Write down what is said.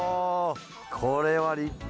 これは立派。